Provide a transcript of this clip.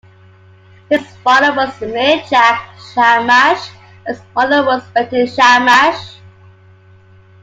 His father was Meir Jack Shamash and his mother was Betty Shamash.